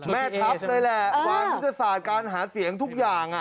แม่ทัพเลยแหละวางยุทธศาสตร์การหาเสียงทุกอย่าง